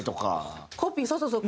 コピーそうそうそう。